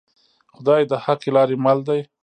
خدای د حقې لارې مل دی